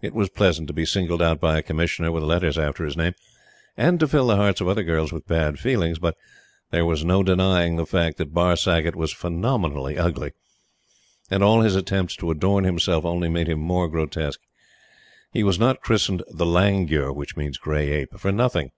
It was pleasant to be singled out by a Commissioner with letters after his name, and to fill the hearts of other girls with bad feelings. But there was no denying the fact that Barr Saggott was phenomenally ugly; and all his attempts to adorn himself only made him more grotesque. He was not christened "The Langur" which means gray ape for nothing.